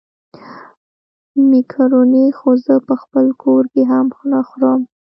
مېکاروني خو زه په خپل کور کې هم نه خورم.